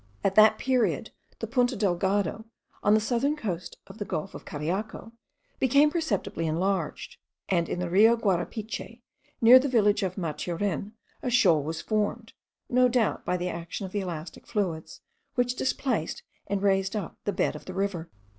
At that period, the Punta Delgado, on the southern coast of the gulf of Cariaco, became perceptibly enlarged; and in the Rio Guarapiche, near the village of Maturin, a shoal was formed, no doubt by the action of the elastic fluids, which displaced and raised up the bed of the river.